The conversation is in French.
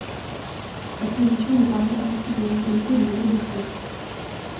Sa position lui permet ainsi de récolter les eaux de pluie.